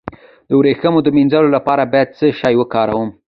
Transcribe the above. د ویښتو د مینځلو لپاره باید څه شی وکاروم؟